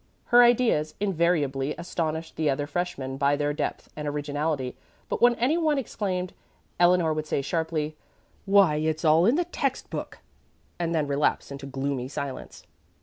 Her ideas invariably astonished the other freshmen by their depth and originality, but when any one exclaimed, Eleanor would say, sharply, "Why, it's all in the text book!" and then relapse into gloomy silence.